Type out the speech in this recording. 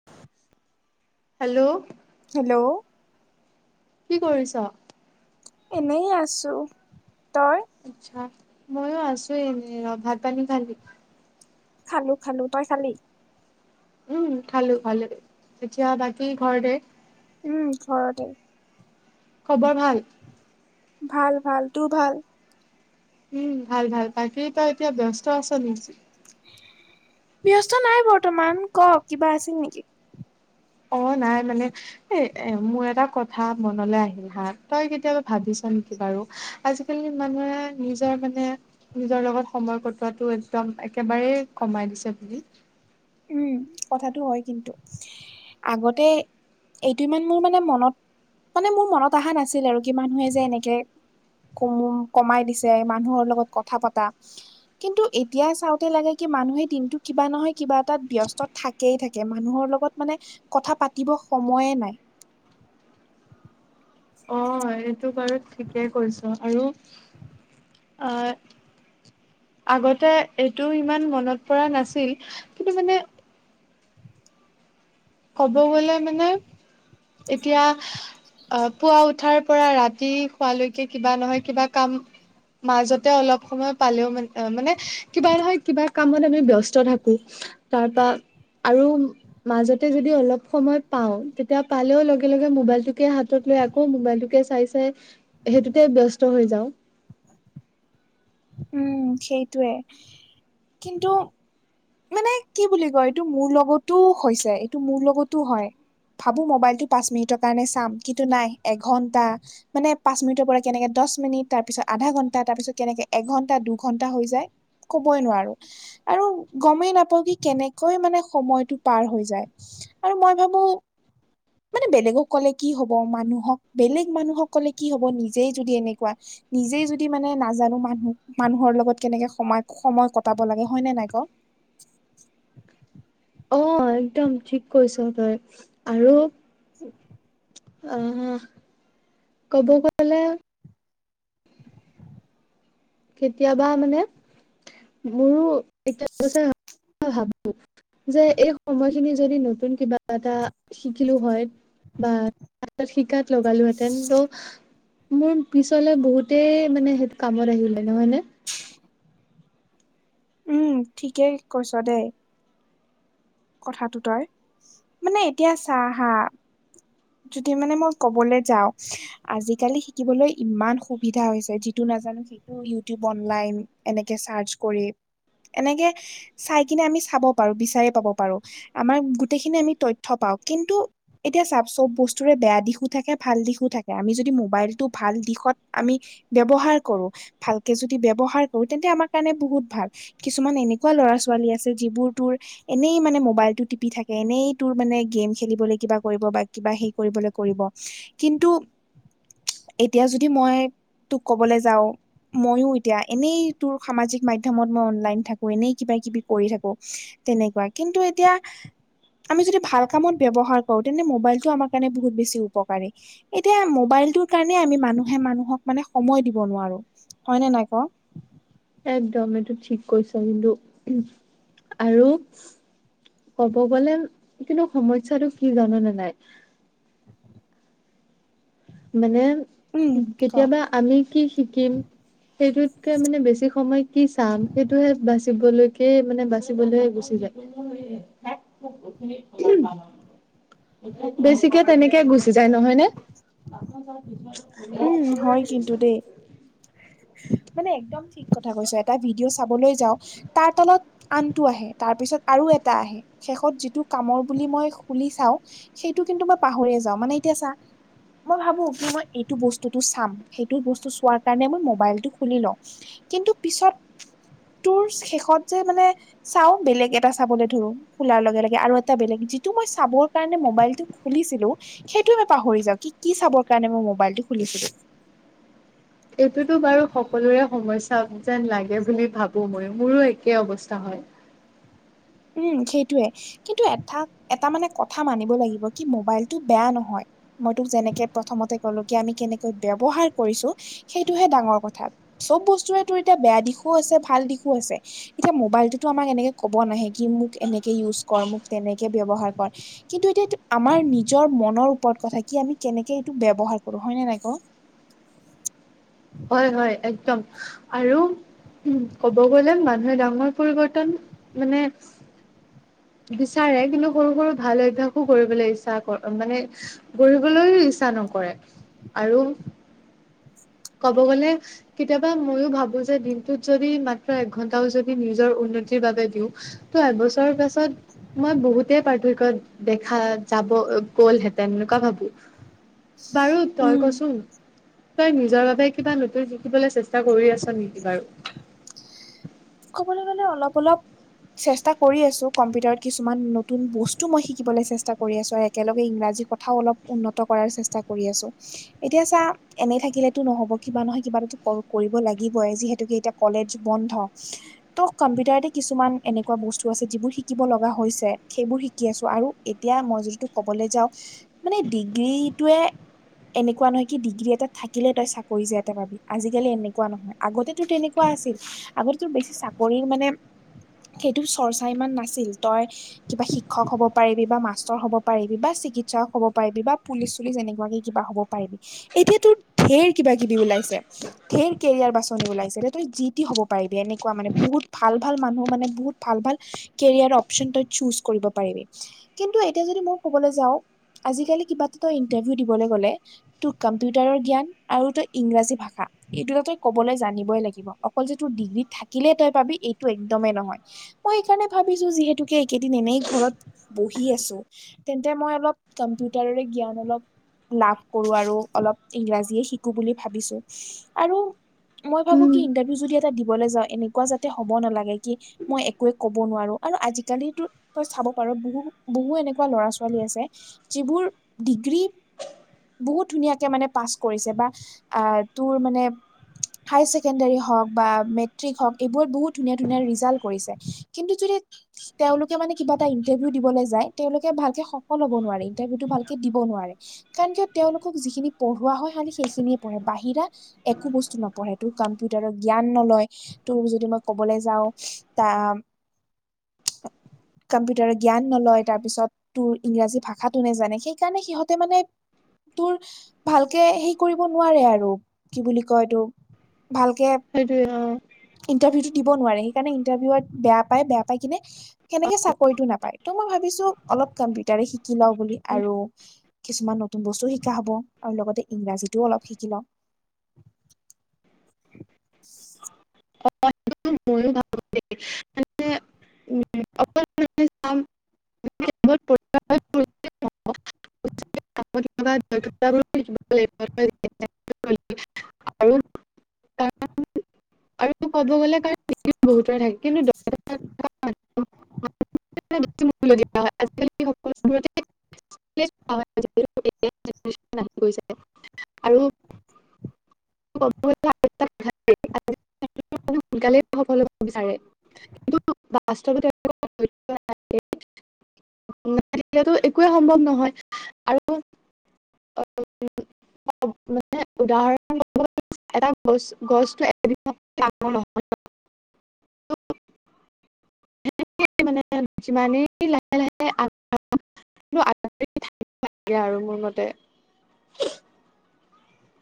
[inaudible] Hello. Hello. কি কৰিছ? এনেই আছোঁ, তই? আচ্ছা মইয়ো আছো এনেই ৰ, ভাত পানী খালি? খালো খালো, তই খালি? উম খালো খালোঁ, এতিয়া বাকী ঘৰতেই? উম ঘৰতেই। খবৰ ভাল? ভাল ভাল, তোৰ ভাল? উম ভাল ভাল। বাকী তই এতিয়া ব্যস্ত আছ নেকি? ব্যস্ত নাই বৰ্তমান, ক কিবা আছিল নেকি? অঁ নাই মানে এ এ মোৰ এটা কথা মনলে আহিল হা, তই কেতিয়াবা ভাবিছ নেকি বাৰু আজিকালি মানুহে নিজৰ মানে নিজৰ লগত সময় কটোৱাটো একদম একেবাৰেই কমাই দিছে বুলি? উম কথাটো হয় কিন্তু আগতে এইটো ইমান মোৰ মানে মনত মানে মোৰ মনত অহা নাছিল আৰু কি মানুহে যে এনেকে কম কমাই দিছে মানুহৰ লগত কথা পতা কিন্তু এতিয়া চাওঁতে লাগে কি মানুহে দিনটো কিবা নহয় কিবা তাত ব্যস্ত থাকেই থাকে মানুহৰ লগত মানে কথা পাতিব সময়ে নাই হয় এইটো বাৰু ঠিকেই কৈছ আৰু আহ আগতে এইটো ইমান মনত পৰা নাছিল কিন্তু মানে কব গলে মানে এতিয়া অ পুৱা উঠাৰ পৰা ৰাতি শোৱালৈকে কিবা নহয় কিবা কাম মাজতে অলপ সময় পালেও মানে মানে কিবা নহয় কিবা কামত আমি ব্যস্ত থাকো তাৰপা আৰু মাজত -তে যদি অলপ সময় পাও তেতিয়া পালেও লগে লগে মোবাইলটোকে হাতত লৈ আকৌ মোবাইলটোকে চাই চাই সেইটোতে ব্যস্ত হৈ যাওঁ উম সেইটোৱে কিন্তু মানে কি বুলি কয় এইটো মোৰ লগতো হৈছে এইটো মোৰ লগতো হয় ভাবো মোবাইলটো পাঁচ মিনিটৰ কাৰণে চাম কিন্তু নাই এঘন্টা মানে পাঁচ মিনিটৰ পৰা কেনেকে দচ মিনিট তাৰ পিছত আধা ঘণ্টা তাৰপিছত কেনেকে এঘণ্টা দুঘণ্টা হৈ যায় কবই নোৱাৰো আৰু গমেই নাপওঁ কি কেনেকৈ মানে সময়টো পাৰ হৈ যায় আৰু মই ভাবো মানে বেলেগক কলে কি হব মানুহক বেলেগ মানুহক কলে কি হব নিজেই যদি এনেকুৱা নিজেই যদি মানে নাজানো মানুহ মানুহৰ লগত কেনেকে সময় সময় কটাব লাগে হয় নে নাই ক অ একদম ঠিক কৈছ তই আৰু আহ ক'ব গ'লে কেতিয়াবা মানে মোৰো [unintelligible] ভাবো যে এই সময়খিনি যদি নতুন কিবা এটা শিকিলো হয় বা আগত শিকাত লগা লোহতেন ত মোৰ পিছলে বহুতেই মানে সেইটো কামত আহিলে নহয় ন [unintelligible] উম ঠিকে কৈছ দেই কথাটো তই মানে এতিয়া চাহ হা যদি মানে মই কবলৈ যাওঁ আজিকালি শিকিবলৈ ইমান সুবিধা হৈছে যিটো নাজানো হে ইউটিউব অনলাইন এনেকে চাৰ্চ কৰি এনেকে চাই কিনে আমি চাব পাৰো বিচাৰি পাব পাৰো আমাৰ গোটেইখিনি আমি তথ্য পাওঁ কিন্তু এতিয়া চাব চব বস্তুৰে বেয়া দিশো থাকে ভাল দিশো থাকে আমি যদি মোবাইলটো ভাল দিশত আমি ব্যৱহাৰ কৰো ভালকে যদি ব্যৱহাৰ কৰো তেন্তে আমাৰ কাৰণে বহুত ভাল কিছুমান এনেকুৱা লৰা ছোৱালী আছে যিবোৰ তোৰ এনেই মানে মোবাইলটো টিপি থাকে এনেই তোৰ মানে গেম খেলিবলৈ কিবা কৰিব বা কিবা হেই কৰিবলৈ কৰিব কিন্তু এতিয়া যদি মই তোক কবলৈ যাও মইয়ো এতিয়া এনেই তোৰ সামাজিক মাধ্যয়মত মই অনলাইন থাকো এনেই কিবা কিবি কৰি থাকো তেনেকুৱা কিন্তু এতিয়া আমি যদি ভাল কামত ব ব্যৱহাৰ কৰোঁ তেন্তে মোবাইলটো আমাৰ কাৰণে বহুত বেছি উপকাৰী এতিয়া মবাইলটোৰ কাৰণে আমি মানুহে মানুহক মানে সময় দিব নোৱাৰো হয় নে নাই ক একদম এইটো ঠিক কৈছা কিন্তু আৰু ক'ব গলে কিন্তু সমস্যাটো কি জান নে নাই? মানে উম ক কেতিয়াবা আমি কি শিকিম সেইটোতকে মানে বেছি সময় কি চাম সেইটোহে বাচিবলৈকে মানে বাচিবলৈ গুচি যায়। [unintelligible] বেছিকে তেনেকে গুচি যায় নহয় নে? উম হয় কিন্তু দেই [unintelligible] মানে একদম ঠিক কথা কৈছো এটা ভিডিঅ' চাবলৈ যাওঁ। তাৰ তলত আনটো আহে তাৰ পিছত আৰু এটা আহে। শেষত যিটো কামৰ বুলি মই খুলি চাওঁ সেইটো কিন্তু মই পাহৰিয়ে যাওঁ মানে এতিয়া চা মই ভাবো কি মই এইটো বস্তুটো চাম সেইটো বস্তু চোৱাৰ কাৰণে মই মোবাইলটো খুলি লওঁ। কিন্তু পিছত তোৰ শেষত যে মানে চাওঁ বেলেগ এটা চাবলৈ ধৰো। খোলাৰ লগে লগে আৰু এটা বেলেগ যিটো মই চাবৰ কাৰণে মোবাইলটো খুলিছিলো সেইটোৱে মই পাহৰি যাওঁ কি কি চাবৰ কাৰণে মই মোবাইলটো খুলিছিলো। এইটোতো বাৰু সকলোৰে সমস্যা যেন লাগে বুলি ভাবো মই মোৰো একেই অৱস্থা হয়। উম, সেইটোৱে কিন্তু এটা এটা মানে কথা মানিব লাগিব কি মোবাইলটো বেয়া নহয়। মই তোক যেনেকে প্ৰথমতে কলো কি আমি কেনেকৈ ব্যৱহাৰ কৰিছো সেইটোহে ডাঙৰ কথা চব বস্তুৰেতো এতিয়া বেয়া দিশো আছে ভাল দিশো আছে। এতিয়া মোবাইলটোতো আমাক এনেকে ক'ব নাহে কি মোক এনেকে ইউজ কৰ মোক তেনেকে ব্যৱহাৰ কৰ। কিন্তু এতিয়াটো আমাৰ নিজৰ মনৰ ওপৰত কথা কি আমি কেনেকে এইটো ব্যৱহাৰ কৰো হয় নে নাই ক? হয় হয় একদম। আৰু উম ক'ব গ'লে মানুহে ডাঙৰ পৰিৱৰ্তন মানে বিচাৰে কিন্তু সৰু সৰু ভাল অভ্যাসো কৰিবলৈ ইচ্ছা কৰ মানে গঢ়িবলৈও ইচ্ছা নকৰে আৰু ক'ব গ'লে কেতিয়াবা ময়ো ভাবো যে দিনটোত যদি মাত্ৰ এক ঘন্টাও যদি নিজৰ উন্নতিৰ বাবে দিওঁ, ত এবছৰৰ পাছত মই বহুতে পাৰ্থক্য দেখা যাব গ'লহেঁতেন এনেকুৱা ভাবো। বাৰু তই উম কচোন তই নি জৰ বাবে কিবা নতুন শিকিবলৈ চেষ্টা কৰি আছা নেকি বাৰু? ক'বলৈ গ'লে অলপ অলপ চেষ্টা কৰি আছো কম্পিউটাৰত কিছুমান নতুন বস্তু মই শিকিবলৈ চেষ্টা কৰি আছো আৰু একেলগে ইংৰাজী কথ থাও অলপ উন্নত কৰাৰ চেষ্টা কৰি আছো। এতিয়া চা এনেই থাকিলেতো নহব কিবা নহয় কিবাটো কৰিব লাগিবই যিহেতুকে এতিয়া কলেজ বন্ধ। [unintelligible] ত কম্পিউটাৰতে কিছুমান এনেকুৱা বস্তু আছে যিবোৰ শিকিব লগা হৈছে সেইবোৰ শিকি আছো আৰু এতিয়া মই যদি তোক ক'বলৈ যাওঁ মানে ডিগ্ৰীটোৱে এনেকুৱা নহয় কি ডিগ্ৰী এটা থাকিলে তই চাকৰি যে এটা পাবি আজিকালি এনেকুৱা নহয়। আগতেটো তেনেকুৱা আছিল আগতে তোৰ বেছি চাকৰিৰ মানে সেইটো চৰ্চা ইমান নাছিল তই কিবা শিক্ষক হ'ব পাৰিবি বা মাষ্টৰ হব পাৰিবি বা চিকিৎসক হ'ব পাৰিবি বা পুলিচ চুলিচ এনেকুৱাকে কিবা হ'ব পাৰিবি এতিয়া তোৰ ঢেৰ কিবা কিবি ওলাইছে। ঢেৰ কেৰিয়াৰ বাছনি ওলাইছে তই যি টি হ'ব পাৰিবি, এনেকুৱা মানে বহুত ভাল ভাল মানুহ মানে বহুত ভাল ভাল কেৰিয়াৰ অপ্চন তই ছোচ কৰিব পাৰিবি। কিন্তু এতিয়া যদি মই কবলৈ যাওঁ- আজিকালি কিবা এটাত তই ইন্টাৰভিউ দিবলৈ গ'লে- তোৰ কম্পিউটাৰৰ জ্ঞান আৰু তই ইংৰাজী ভাষা এই দুটা তই কবলৈ জানিবই লাগিব। অকল যে তোৰ ডিগ্ৰী থাকিলে তই পাবি এইটো একদমেই নহয়। মই সেইকাৰণে ভাবিছো যিহেতুকে এইকেদিন এনেই ঘৰত বহি আছো- তেন্তে মই অলপ কম্পিউটাৰৰে জ্ঞান অলপ- লাভ কৰো আৰু অলপ ইংৰাজীয়ে শিকো বুলি ভাবিছ। আৰু- মই ভাবো উম কি ইন্টাৰভিউ যদি এটা দিবলৈ যাওঁ এনেকুৱা যাতে হ'ব নালাগে কি- মই একোৱে ক'ব নোৱাৰো। আৰু আজিকালিতো তই চাব পাৰ বহু-বহু এনেকুৱা ল'ৰা-ছোৱালী আছে যিবোৰ ডিগ্ৰী- বহুত ধুনীয়াকে মানে পাছ কৰিছে বা আঁহ তোৰ মানে- হায় ছেকেণ্ডাৰী হওঁক বা মেট্ৰিক হওঁক এইবোৰত বহুত ধুনীয়া-ধুনীয়া ৰিজাল্ট কৰিছে। কিন্তু যদি তেওঁলোকে মানে কিবা এটা ইন্টাৰভিউ দিবলৈ যায় তেওঁলোকে ভালকে সফল হ'ব নোৱাৰে। ইটাৰভিউটো ভালকে দিব নোৱাৰে, কাৰণ কিয় তেওঁলোকক যিখিনি পঢ়োৱা হয় সেইখিনিয়ে পঢ়ে বাহিৰা- একো বস্তু নপঢ়ে। তোৰ কম্পিউটাৰত- জ্ঞান নলয়, তোৰ যদি মই ক'বলৈ যাওঁ বা- [inaudible] কম্পিউটাৰত জ্ঞান নলয় তাৰপিছত- তোৰ ইংৰাজী ভাষাটো নেজানে সেইকাৰণে সিহঁতে মানে- তোৰ ভালকে হেৰি কৰিব নোৱাৰে আৰু কি বুলি কয় এইটো- ভালকে সেইটোৱে অঁ',। ইণ্টাৰভিউটো দিব নোৱাৰে, সেইকাৰণে ইণ্টাৰভিউত বেয়া পাই, বেয়া পাই কিনে- সেনেকে চাকৰিতটো নাপায়। ত' মই ভাবিছো অলপ কম্পিউটাৰে শিকি লওঁ বুলি আৰু- কিছুমান নতুন বস্তুও শিকা হ'ব আৰু লগতে ইংৰাজীতো অলপ শিকি লওঁ। [inaudible] [unintelligible] অ ম [unintelligible] [unintelligible] দে চাম কেৱল [unintelligible] আৰু। কাৰ [unintelligible] আৰু কব গ'লে কাৰ [unintelligible] বহুতৰে থাকে। কিন্তু [unintelligible] [unintelligible] হয়। আজিকালি সকলোবোৰতে [unintelligible] হয়। [unintelligible] টেকনিচিয়ান আহি গৈছে। আৰু [unintelligible] [unintelligible] সোনকালেই সফল হ'ব বিচাৰে। কিন্তু [unintelligible] বাস্তবতে [unintelligible] নাথাকিলে তো একোৱে সম্ভৱ নহয়। আৰু [unintelligible] মানে উদাহৰণ [unintelligible] এটা গছ-গছ টো এদিনত [unintelligible] ডাঙৰ নহয় ন' [inaudible] একেই-একেই মানে যিমানে লাহে-লাহে থাকে আৰু মোৰ মতে।